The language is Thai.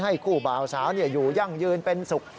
ให้คู่บ่าวสาวอยู่ยั่งยืนเป็นสุข